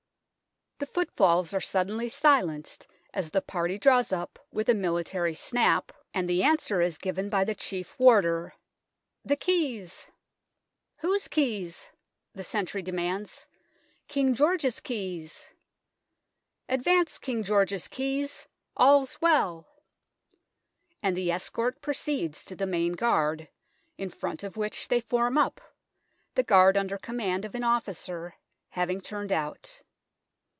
The footfalls are suddenly silenced as the party draws up with a military snap, 146 THE TOWER OF LONDON and the answer is given by the Chief Warder :" The keys." " WTiose keys ?" the sentry demands. " King George's keys." " Advance, King George's keys : all's well " and the escort proceeds to the Main Guard, in front of which they form up, the guaid under command of an officer, having turned out.